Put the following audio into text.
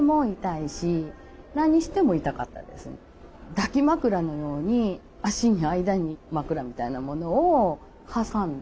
抱き枕のように脚の間に枕みたいなものを挟んだ。